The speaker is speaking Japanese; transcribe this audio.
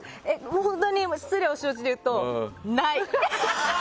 本当に失礼を承知で言うとない。